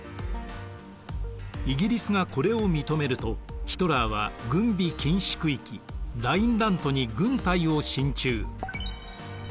イギリスがこれを認めるとヒトラーは軍備禁止区域ラインラントに軍隊を進駐。